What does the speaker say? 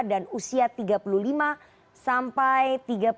dan usia tiga puluh lima empat puluh tahun ada dua puluh satu empat puluh enam juta jiwa